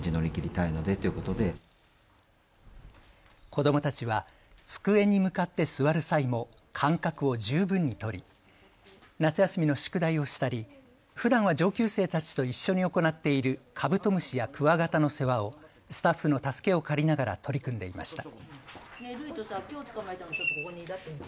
子どもたちは机に向かって座る際も間隔を十分に取り、夏休みの宿題をしたりふだんは上級生たちと一緒に行っているカブトムシやクワガタの世話をスタッフの助けを借りながら取り組んでいました。